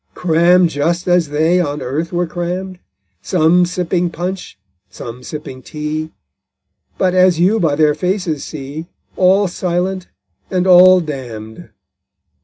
Cramm'd just as they on earth were cramm'd Some sipping punch, some sipping tea, But, as you by their faces see, All silent and all damned!